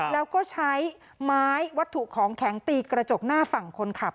แล้วก็ใช้ไม้วัตถุของแข็งตีกระจกหน้าฝั่งคนขับ